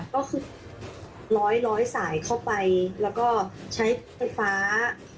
ก็คือร้อยสายเข้าไปแล้วก็ใช้ไฟฟ้า